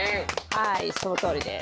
はいそのとおりです。